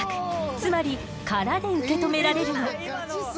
つまり殻で受け止められるの。